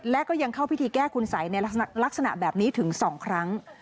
และก็ยังเข้าพิธีแก้คุณสัยในลักษณะแบบนี้ถึง๒ครั้ง